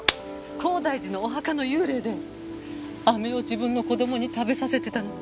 高台寺のお墓の幽霊で飴を自分の子供に食べさせてたの。